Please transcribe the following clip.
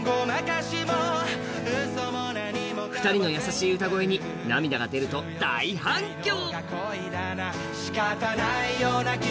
２人の優しい歌声に涙が出ると大反響。